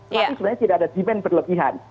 tapi sebenarnya tidak ada demand berlebihan